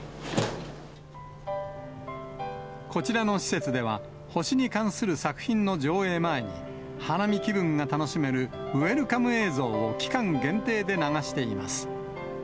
こちらの施設では、星に関する作品の上映前に、花見気分が楽しめる、ウエルカム映像を期間限定で流しています。